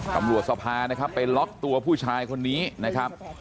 สภานะครับไปล็อกตัวผู้ชายคนนี้นะครับ